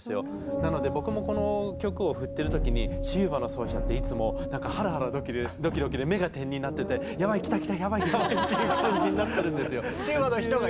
なので僕もこの曲を振ってるときにチューバの奏者っていつもなんかハラハラドキドキで目が点になっててやばい来た来たやばいやばいっていう感じになってるんですよ。